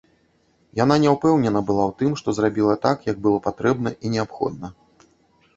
Яна не ўпэўнена была ў тым, што зрабіла так, як было патрэбна і неабходна.